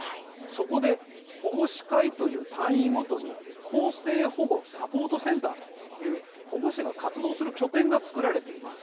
そこで保護司会という単位ごとに更生保護サポートセンターという保護司の活動する拠点が作られています。